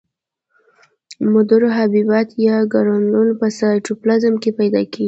مدور حبیبات یا ګرنولونه په سایتوپلازم کې پیدا کیږي.